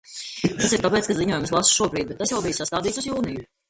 Tas ir tāpēc, ka ziņojumu es lasu šobrīd, bet tas bija sastādīts uz jūniju.